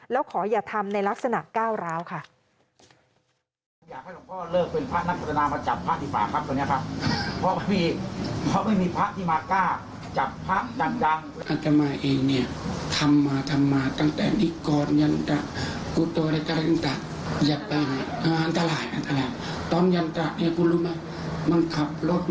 แล้วขออย่าทำในลักษณะก้าวร้าวค่ะ